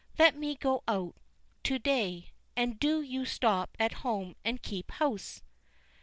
Let me go out to day, and do you stop at home and keep house."